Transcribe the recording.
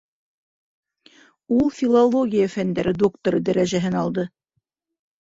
Ул филология фәндәре докторы дәрәжәһен алды